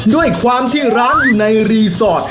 ด้วยความที่ร้านอยู่ในรีสอร์ท